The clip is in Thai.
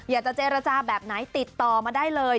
อยากจะเจรจาแบบไหนติดต่อมาได้เลย